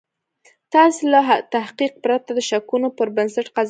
تاسې له تحقیق پرته د شکونو پر بنسټ قضاوت کوئ